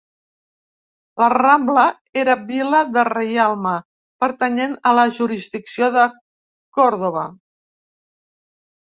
La Rambla era vila de reialme pertanyent a la jurisdicció de Còrdova.